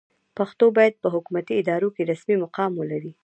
پښتو باید په حکومتي ادارو کې رسمي مقام ولري.